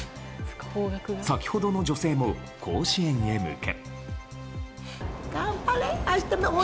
先ほどの女性も甲子園に向け。